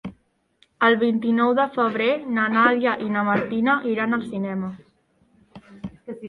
El vint-i-nou de febrer na Nàdia i na Martina iran al cinema.